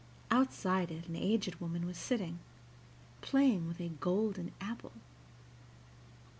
Outside it an aged woman was sitting, playing with a golden apple.